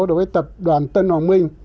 đối với tập đoàn tân hoàng minh